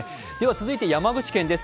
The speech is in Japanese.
続いて山口県です。